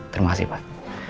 terima kasih pak